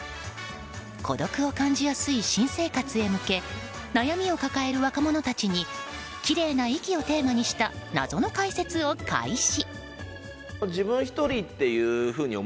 孤独を感じやすい新生活へ向け悩みを抱える若者たちにきれいな息をテーマにした謎の解説を開始。